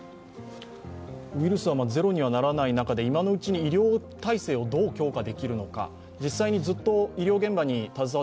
ウイルスはゼロにはならない中で今のうちに医療体制をどう強化できるのか、実際にずっと医療現場に携わっ